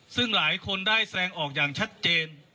ซึ่งหลายคนได้แสงออกอย่างชัดเจน